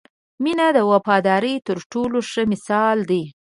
• مینه د وفادارۍ تر ټولو ښه مثال دی.